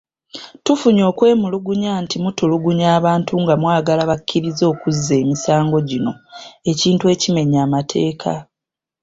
Tufune okwemulugunya nti mutulugunya abantu nga mwagala bakkirize okuzza emisango gino ekintu ekimenya amateeka.